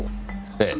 ええ。